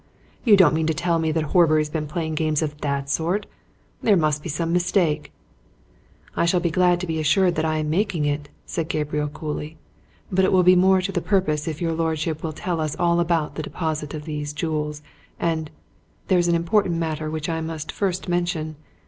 you don't mean to tell me that Horbury's been playing games of that sort? There must be some mistake." "I shall be glad to be assured that I am making it," said Gabriel coolly. "But it will be more to the purpose if your lordship will tell us all about the deposit of these jewels. And there's an important matter which I must first mention.